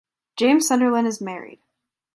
James Sunderland is married.